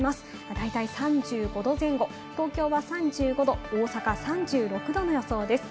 大体３５度前後、東京は３５度、大阪３６度の予想です。